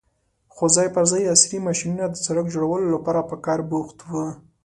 خو ځای پر ځای عصرې ماشينونه د سړک جوړولو لپاره په کار بوخت وو.